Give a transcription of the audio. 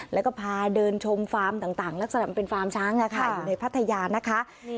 แล้วก็พาเดินชมฟาร์มต่างลักษณะมันเป็นฟาร์มช้างอยู่ในพัทยานะคะ